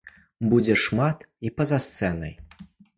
Будзе шмат і па-за сцэнай.